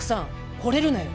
ほれるなよ。